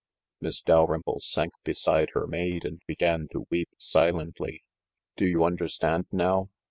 Miss Dalrymple sank beside her maid and began to weep silently. "Do you understand now?"